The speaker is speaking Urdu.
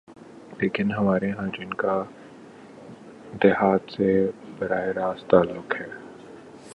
لیکن ہمارے ہاں جن کا دیہات سے براہ راست تعلق ہے۔